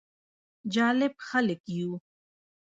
جالب خلک يو: